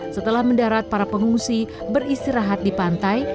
setelah mendarat para pengungsi beristirahat di pantai